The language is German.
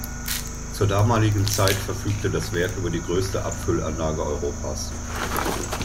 Zur damaligen Zeit verfügte das Werk über die größte Abfüllanlage Europas.